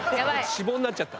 脂肪になっちゃった。